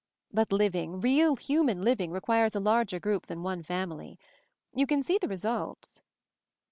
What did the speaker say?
But living, real human living, requires a larger group than one family. You can see the results."